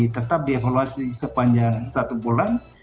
tetap di evaluasi sepanjang satu bulan